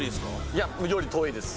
いやより遠いです